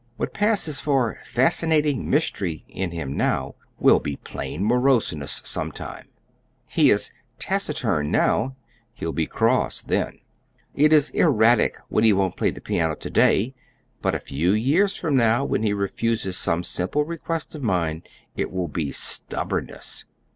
"What passes for 'fascinating mystery' in him now will be plain moroseness sometime. He is 'taciturn' now; he'll be cross, then. It is 'erratic' when he won't play the piano to day; but a few years from now, when he refuses some simple request of mine, it will be stubbornness.